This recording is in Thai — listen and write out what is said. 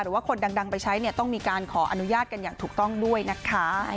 ว่าคนดังไปใช้เนี่ยต้องมีการขออนุญาตกันอย่างถูกต้องด้วยนะคะ